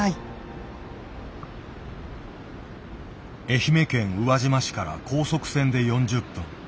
愛媛県宇和島市から高速船で４０分。